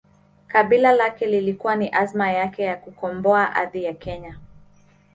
Kabila lake lilikuwa ni azma yake ya kuikomboa ardhi ya kenya